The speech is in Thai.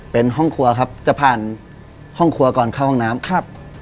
เป็นห้องครัวครับจะผ่านห้องครัวก่อนเข้าห้องน้ำครับ